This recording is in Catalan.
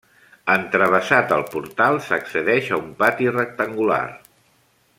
Entravessat el portal s'accedeix a un pati rectangular.